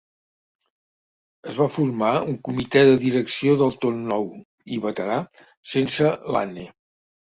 Es va formar un comitè de direcció del tot nou i veterà sense Lane.